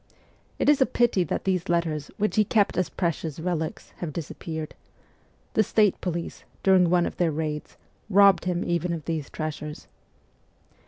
It is a pity that these letters, which he kept as precious relics, have disappeared. The State police, during one of their raids, robbed him even of these treasures.